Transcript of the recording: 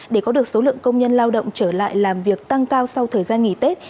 để có được số lượng công nhân lao động trở lại làm việc tăng cao sau thời gian nghỉ tết